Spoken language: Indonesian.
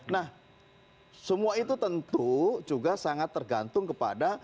nah semua itu tentu juga sangat tergantung kepada